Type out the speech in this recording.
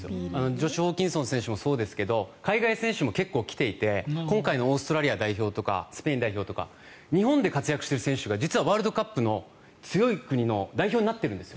ジョシュ・ホーキンソン選手もそうですが海外選手も結構来ていて今回のオーストラリア代表とかスペイン代表とか日本で活躍している選手が実はワールドカップの強い国の代表になってるんです。